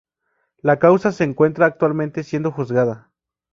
La causa se encuentra actualmente siendo juzgada.